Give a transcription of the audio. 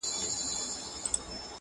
• شمېر به یې ډېر کم وو -